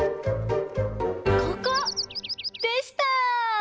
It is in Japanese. ここ！でした。